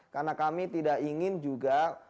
karena kami tidak ingin juga